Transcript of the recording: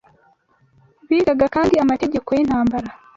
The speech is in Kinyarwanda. Bigaga kandi amategeko y’intambara